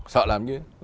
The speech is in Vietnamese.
sợ làm chi